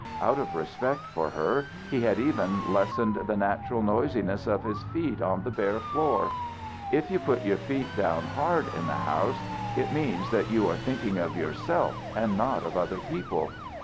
Out of respect for her, he had even lessened the natural noisiness of his feet on the bare floor. If you put your feet down hard in the house, it means that you are thinking of yourself and not of other people.